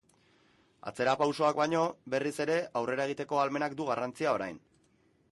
Atzerapausoak baino, berriz ere aurrera egiteko ahalmenak du garrantzia orain.